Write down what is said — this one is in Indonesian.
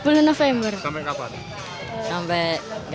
meski masih canggung mereka bermain bola layaknya anak anaknya